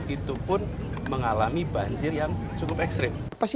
itu pun mengalami banjir yang cukup ekstrim